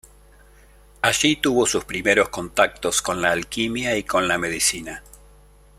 Allí tuvo sus primeros contactos con la alquimia y con la medicina.